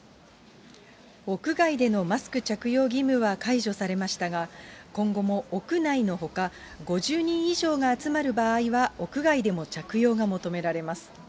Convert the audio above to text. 屋外でのマスク着用義務は解除されましたが、今後も屋内のほか、５０人以上が集まる場合は、屋外でも着用が求められます。